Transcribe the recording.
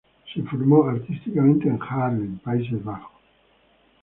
Se formó artísticamente en Haarlem, Países Bajos.